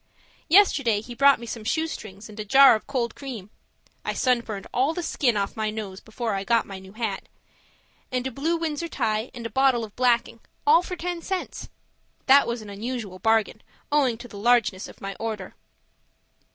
Yesterday he brought me some shoe strings and a jar of cold cream (I sunburned all the skin off my nose before I got my new hat) and a blue Windsor tie and a bottle of blacking all for ten cents. That was an unusual bargain, owing to the largeness of my order.